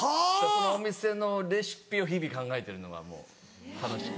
そのお店のレシピを日々考えてるのがもう楽しい。